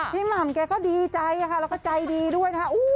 หม่ำแกก็ดีใจค่ะแล้วก็ใจดีด้วยนะคะ